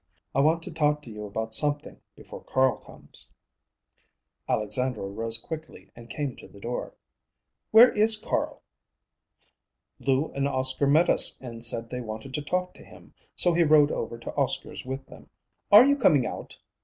"I want to talk to you about something before Carl comes." Alexandra rose quickly and came to the door. "Where is Carl?" "Lou and Oscar met us and said they wanted to talk to him, so he rode over to Oscar's with them. Are you coming out?"